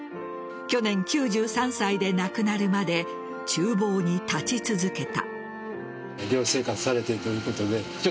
去年、９３歳で亡くなるまで厨房に立ち続けた。